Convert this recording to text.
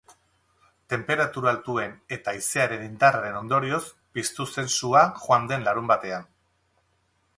Tenperatura altuen eta haizearen indarraren ondorioz piztu zen sua joan den larunbatean.